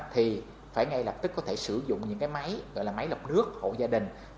thì phải ngay lập tức có thể sử dụng những cái máy gọi là máy lọc nước hộ gia đình